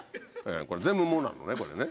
これ全部「も」なのねこれね。